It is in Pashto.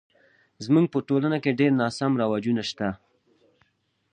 زموږ په ټولنه کې ډیر ناسم رواجونه شته